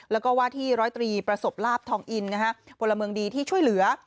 แล้วก็ว่าที่ร้อยตรีประสบลาบทองอินพลเมืองดีที่ช่วยเหลือ